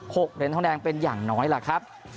กเหรียญทองแดงเป็นอย่างน้อยล่ะครับ